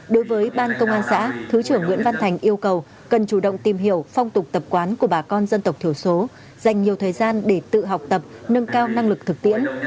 đối với ban công an xã thứ trưởng nguyễn văn thành yêu cầu cần chủ động tìm hiểu phong tục tập quán của bà con dân tộc thiểu số dành nhiều thời gian để tự học tập nâng cao năng lực thực tiễn